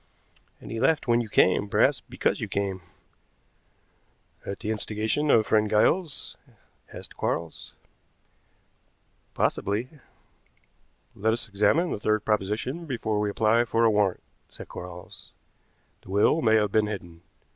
"And he left when you came, perhaps because you came." "At the instigation of friend Giles?" asked Quarles. "Possibly." "Let us examine the third proposition before we apply for a warrant," said Quarles. "The will may have been hidden.